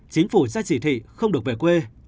chính phủ sẽ chỉ thị không được về quê